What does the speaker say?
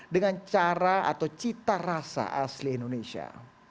dengan cara atau cita rasa asli indonesia